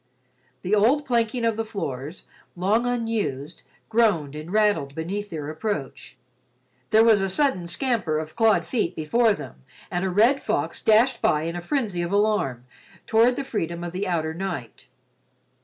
The old planking of the floors, long unused, groaned and rattled beneath their approach. There was a sudden scamper of clawed feet before them, and a red fox dashed by in a frenzy of alarm toward the freedom of the outer night.